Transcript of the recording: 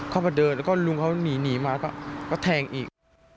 เขาไปเดินแล้วก็ลุงเขาหนีมาแล้วก็แทงอีก